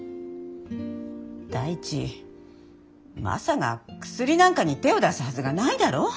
第一マサが薬なんかに手を出すはずがないだろ？